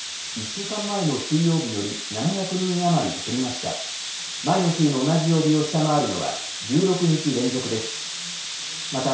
１週間前の水曜日より７００人余り減りました。